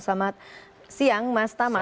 selamat siang mas tama